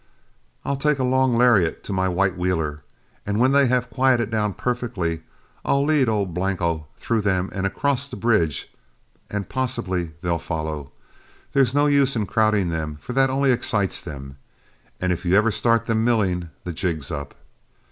I'll take a long lariat to my white wheeler, and when they have quieted down perfectly, I'll lead old Blanco through them and across the bridge, and possibly they'll follow. There's no use crowding them, for that only excites them, and if you ever start them milling, the jig's up.